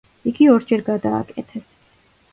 იგი ორჯერ გადააკეთეს.